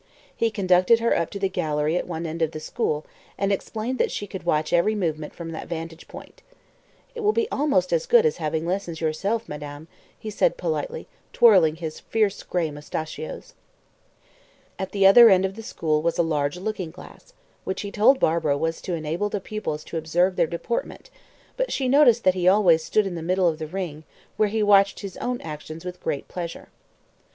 He conducted her up to the gallery at one end of the school, and explained that she could watch every movement from that vantage point. "It will be almost as good as having a lesson yourself, madame," he said politely, twirling his fierce gray mustachios. At the other end of the school was a large looking glass, which he told Barbara was to enable the pupils to observe their deportment; but she noticed that he always stood in the middle of the ring, where he watched his own actions with great pleasure.